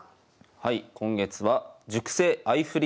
はい。